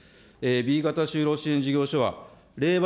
Ｂ型就労支援事業所は令和